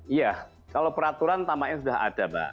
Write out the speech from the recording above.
iya kalau peraturan tamanya sudah ada pak